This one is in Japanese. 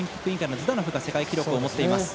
ズダノフが世界記録を持っています。